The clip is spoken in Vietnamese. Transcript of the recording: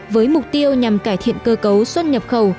với mục tiêu nhằm cải thiện cơ cấu xuất nhập khẩu